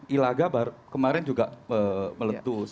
ilaga kemarin juga meletus